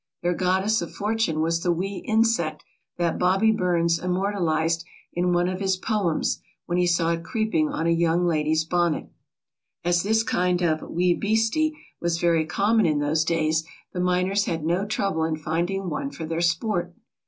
Their goddess of fortune was the wee insect that Bobby Burns immortal ized in one of his poems when he saw it creeping on a young lady's bonnet. As this kind of "wee beastie" was very common in those days, the miners had no trouble in finding one for their sport.